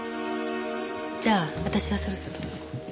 じゃあ私はそろそろ。